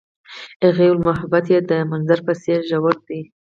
هغې وویل محبت یې د منظر په څېر ژور دی.